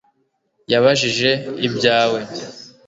Yabajije ibyawe